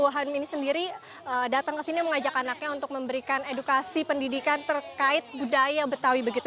hanum ini sendiri datang ke sini mengajak anaknya untuk memberikan edukasi pendidikan terkait budaya betawi begitu